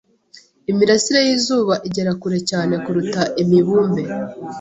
Imirasire y'izuba igera kure cyane kuruta imibumbe